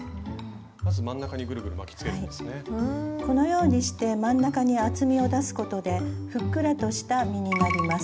このようにして真ん中に厚みを出すことでふっくらとした実になります。